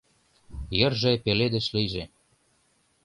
Йырже пеледыш лийже.